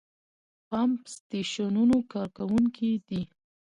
پمپ سټېشنونو کارکوونکي دي.